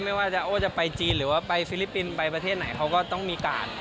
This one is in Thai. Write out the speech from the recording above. ไม่ว่าจะโอ้จะไปจีนหรือว่าไปฟิลิปปินส์ไปประเทศไหนเขาก็ต้องมีการ